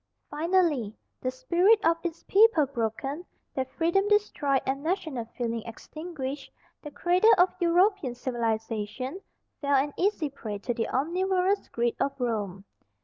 Finally, the spirit of its people broken, their freedom destroyed, and national feeling extinguished, the cradle of European civilization fell an easy prey to the omnivorous greed of Rome.